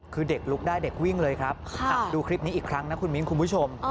คือเด็กลุกได้เด็กวิ่งเลยครับดูคลิปนี้อีกครั้งนะคุณมิ้นคุณผู้ชม